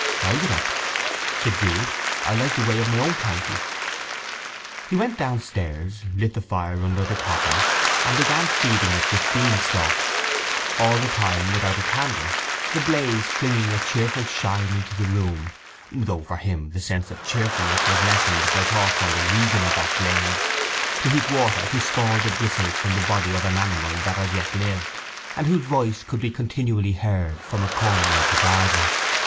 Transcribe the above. "I'll get up," said Jude. "I like the way of my own county." He went downstairs, lit the fire under the copper, and began feeding it with bean stalks, all the time without a candle, the blaze flinging a cheerful shine into the room; though for him the sense of cheerfulness was lessened by thoughts on the reason of that blaze—to heat water to scald the bristles from the body of an animal that as yet lived, and whose voice could be continually heard from a corner of the garden.